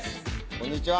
こんにちは。